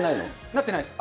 なってないです。